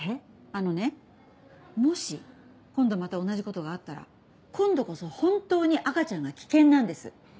あのねもし今度また同じことがあったら今度こそ本当に赤ちゃんが危険なんです。